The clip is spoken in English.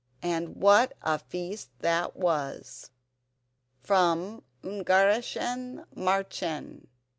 And what a feast that was! [From Ungarischen Mährchen.